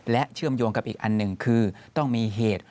เชื่อมโยงกับอีกอันหนึ่งคือต้องมีเหตุ